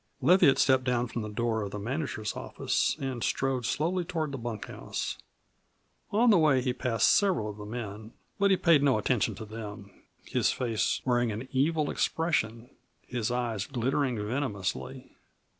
Leviatt stepped down from the door of the manager's office and strode slowly toward the bunkhouse. On the way he passed several of the men, but he paid no attention to them, his face wearing an evil expression, his eyes glittering venomously.